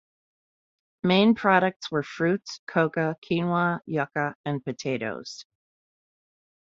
Main products were fruits, coca, quinoa, yuca and potatoes.